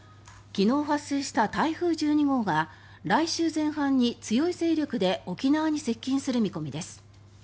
昨日、発生した台風１２号が来週前半に強い勢力で沖縄に接近する見込みです。